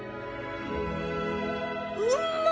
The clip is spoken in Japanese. うんまい！